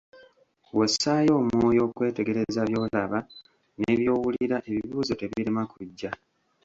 Bw'ossaayo omwoyo okwetegereza by'olaba ne by'owulira, ebibuzo tebirema kujja.